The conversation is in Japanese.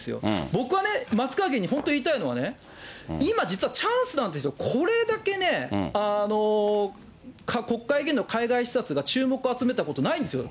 僕はね、松川議員に本当言いたいのはね、今実はチャンスなんですよ、これだけね、国会議員の海外視察が注目を集めたことないんですよ。